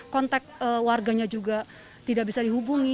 kontak warganya juga tidak bisa dihubungi